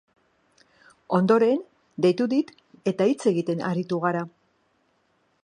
Ondoren, deitu dit, eta hitz egiten aritu gara.